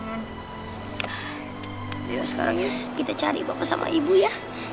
ayo sekarang ini kita cari bapak sama ibu ya